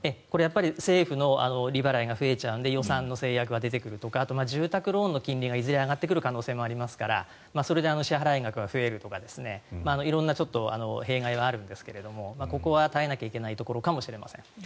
これは政府の利払いが増えちゃうので予算の制約が出てくるとか住宅ローンの金利がいずれ上がってくる可能性がありますからそれで支払額が増えるとか色んな弊害はあるんですがここは耐えなきゃいけないところかもしれません。